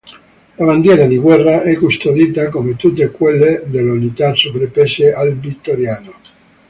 La bandiera di Guerra è custodita, come tutte quelle delle unità soppresse, al Vittoriano.